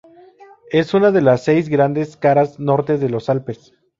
Es una de las seis Grandes caras norte de los Alpes.